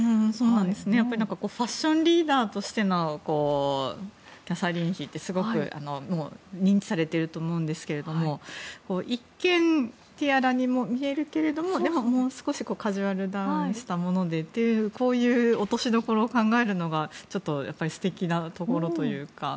やっぱりファッションリーダーとしてのキャサリン妃ってすごく認知されていると思うんですが一見、ティアラにも見えるけどももう少しカジュアルダウンしてというこういう落としどころを考えるのが素敵なところというか。